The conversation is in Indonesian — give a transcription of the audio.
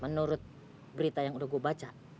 menurut berita yang udah gue baca